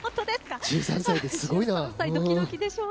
１３歳ですごいな。